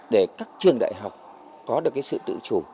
để các trường đại học có được sự tự chủ